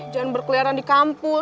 jangan berkeliaran di kampus